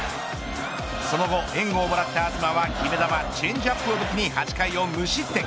その後、援護をもらった東は決め球チェンジアップを武器に８回を無失点。